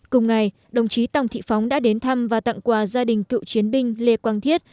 cùng ngày đồng chí tòng thị phóng đã đến thăm và tặng quà gia đình cựu chiến binh lê quang thiết